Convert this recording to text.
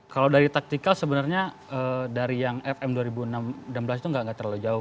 kalau dari taktikal sebenarnya dari yang fm dua ribu enam belas itu nggak terlalu jauh